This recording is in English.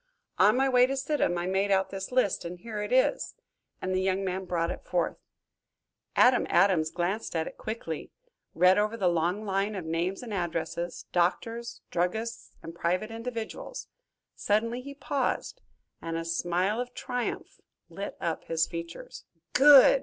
On my way to Sidham I made out this list, and here it is," and the young man brought it forth. Adam Adams glanced at it quickly, and read over the long line of names and addresses doctors, druggists and private individuals. Suddenly he paused and a smile of triumph lit up his features. "Good!"